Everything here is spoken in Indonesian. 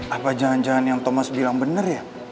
apa jangan jangan yang thomas bilang benar ya